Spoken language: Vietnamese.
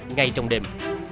ngay trong đêm